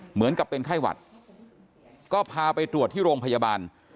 เหมือนกับเป็นไข้หวัดก็พาไปตรวจที่โรงพยาบาล